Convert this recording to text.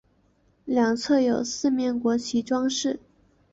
两侧有四面国旗装饰。